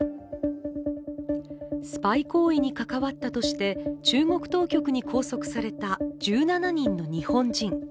スパイ行為に関わったとして中国当局に拘束された１７人の日本人。